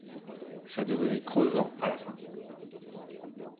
Ça devenait crevant à la fin.